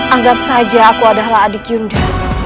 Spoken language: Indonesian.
anggap saja aku adalah adik yunda